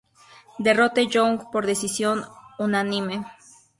Derrote Young por decisión unánime.